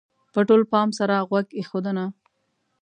-په ټول پام سره غوږ ایښودنه: